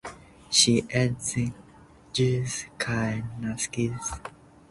Ŝi edziniĝis kaj naskis.